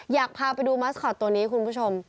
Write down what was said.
อยากพาไปดูมัสคอตตัวนี้คุณผู้ชม